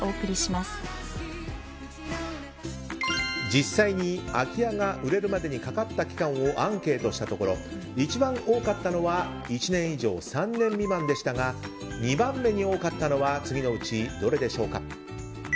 実際に空き家が売れるまでにかかった期間をアンケートしたところ一番多かったのは１年以上３年未満でしたが２番目に多かったのは次のうちどれでしょうか？